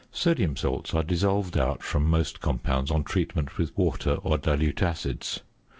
Sodium salts are dissolved out from most compounds on treatment with water or dilute acids.